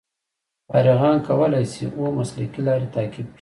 فارغان کولای شي اوه مسلکي لارې تعقیب کړي.